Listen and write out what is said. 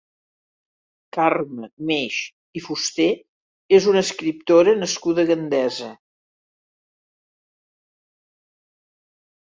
Carme Meix i Fuster és una escriptora nascuda a Gandesa.